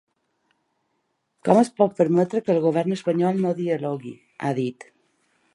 Com es pot permetre que el govern espanyol no dialogui?, ha dit.